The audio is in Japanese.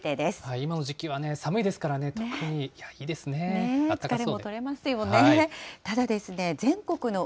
今の時期はね、寒いですからね、特にいいですね。